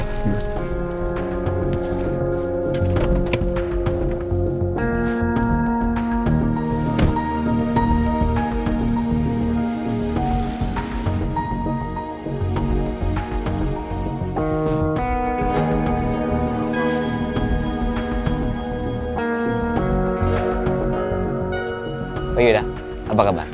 pak yuda apa kabar